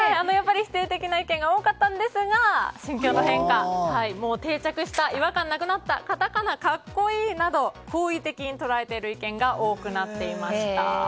否定的な意見が多かったんですが、心境の変化もう定着した、違和感なくなったカタカナ格好いいなど好意的に捉えている意見が多くなっていました。